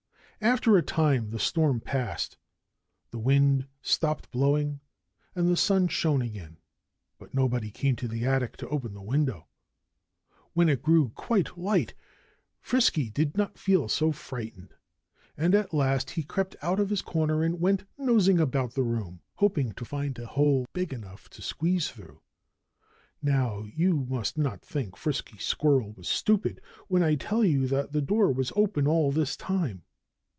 After a time the storm passed. The wind stopped blowing. And the sun shone again. But nobody came to the attic to open the window. When it grew quite light Frisky did not feel so frightened. And at last he crept out of his corner and went nosing about the room, hoping to find a hole big enough to squeeze through. Now, you must not think Frisky Squirrel was stupid, when I tell you that the door was open all this time.